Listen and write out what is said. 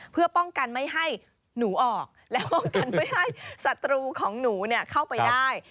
เพื่อป้องกันไม่ให้หนูออกและป้องกันไม่ให้ศัตรูของหนูเข้าไปได้